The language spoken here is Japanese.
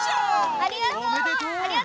ありがとう！